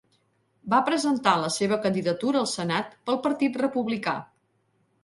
Va presentar la seva candidatura al Senat pel Partit Republicà.